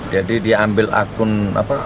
jadi diambil akun apa